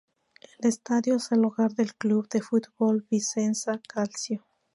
El estadio es el hogar del club de fútbol Vicenza Calcio.